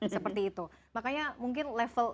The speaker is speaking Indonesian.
seperti itu makanya mungkin level